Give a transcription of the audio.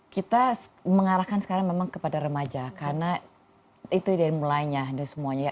kita mengarahkan sekarang memang kepada remaja karena itu dari mulainya dan semuanya ya